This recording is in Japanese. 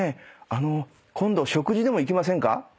あの今度食事でも行きませんか？